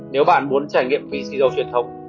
nếu bạn muốn trải nghiệm vị xì dầu truyền thống